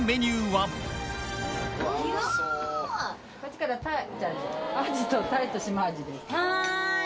はい